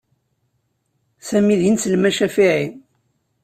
Sami d ineslem acafiɛi.